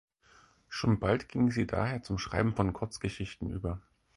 Schon bald ging sie daher zum Schreiben von Kurzgeschichten über.